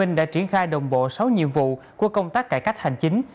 tp hcm đã triển khai đồng bộ sáu nhiệm vụ của công tác cải cách hành chính